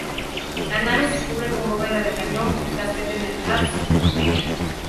La nave se cubre con bóveda de cañón y casquete en el ábside.